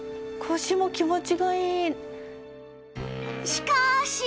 しかーし！